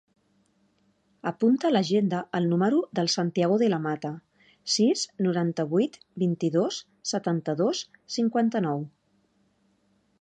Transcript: Apunta a l'agenda el número del Santiago De La Mata: sis, noranta-vuit, vint-i-dos, setanta-dos, cinquanta-nou.